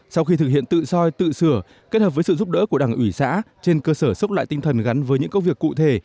sau khi thực hiện tự soi tự sửa kết hợp với sự giúp đỡ của đảng ủy xã trên cơ sở sốc lại tinh thần gắn với những công việc cụ thể